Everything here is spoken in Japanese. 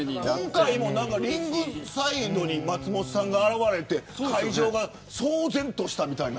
今回、リングサイドに松本さんが現れて会場が騒然としたみたいな。